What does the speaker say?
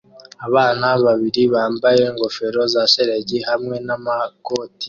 Abana babiri bambaye ingofero za shelegi hamwe namakoti.’